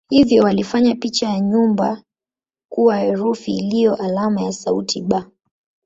Hivyo walifanya picha ya nyumba kuwa herufi iliyo alama ya sauti "b".